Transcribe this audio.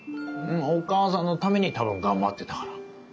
お母さんのために多分頑張ってたから。